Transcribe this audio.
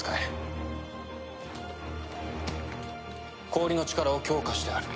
氷の力を強化してある。